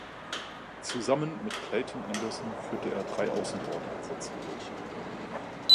Zusammen mit Clayton Anderson führte er drei Außenbordeinsätze durch.